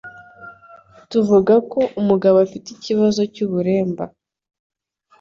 Tuvugako umugabo afite ikibazo cy'uburemba